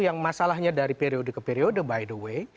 yang masalahnya dari periode ke periode by the way